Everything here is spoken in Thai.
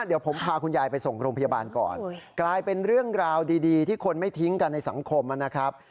เดี๋ยวผมพาคุณยายไปส่งโรงพยาบาลก่อนกลายเป็นเรื่องราวดีที่คนไม่ทิ้งกันในสังคมนะครับ